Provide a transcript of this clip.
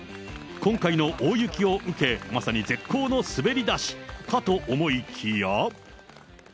今回の大雪を受け、まさに絶好の滑り出し、かと思いきや。